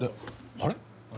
「あれ？